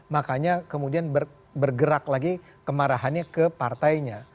makanya kemudian bergerak lagi kemarahannya ke partainya